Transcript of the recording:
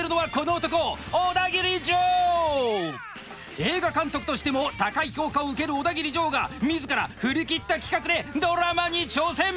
映画監督としても高い評価を受けるオダギリジョーが自ら振り切った企画でドラマに挑戦！